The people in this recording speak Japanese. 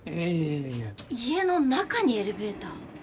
いやいや家の中にエレベーター？